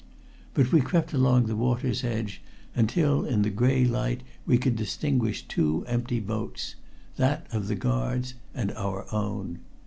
But we crept along the water's edge, until in the gray light we could distinguish two empty boats that of the guards and our own.